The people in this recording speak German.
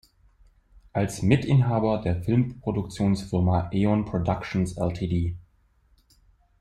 Als Mitinhaber der Filmproduktionsfirma Eon Productions Ltd.